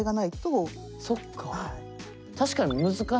そっか！